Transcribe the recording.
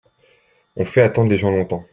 On fait attendre les gens longtemps.